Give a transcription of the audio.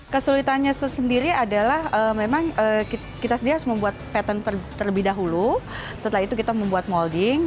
kesulitannya sendiri adalah memang kita sendiri harus membuat pattern terlebih dahulu setelah itu kita membuat molding